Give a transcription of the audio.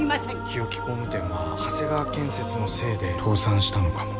日置工務店は長谷川建設のせいで倒産したのかも。